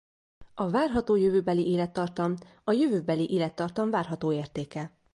A várható jövőbeli élettartam a jövőbeli élettartam várható értéke.